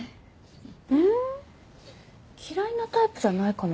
うん嫌いなタイプじゃないかな。